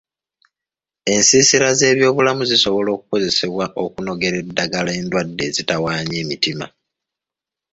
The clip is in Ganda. Ensiisira z'ebyobulamu zisobola okukozesebwa okunogera eddagala endwadde ezitawaanya emitima.